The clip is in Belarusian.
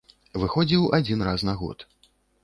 Выходзіў адзін раз на год.